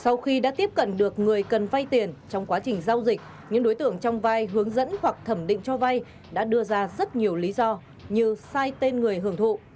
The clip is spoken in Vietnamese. sau khi đã tiếp cận được người cần vay tiền trong quá trình giao dịch những đối tượng trong vai hướng dẫn hoặc thẩm định cho vay đã đưa ra rất nhiều lý do như sai tên người hưởng thụ